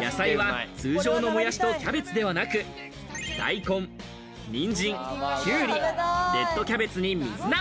野菜は通常のモヤシとキャベツではなく、大根、ニンジン、きゅうり、レッドキャベツに水菜。